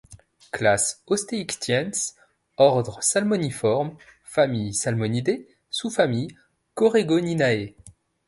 Classe Ostéichthyens, ordre Salmoniformes, famille Salmonidés, sous-famille Coregoninae.